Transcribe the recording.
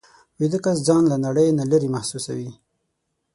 ویده کس ځان له نړۍ نه لېرې محسوسوي